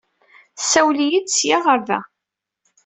Tessawal-iyi-d sya ɣer da.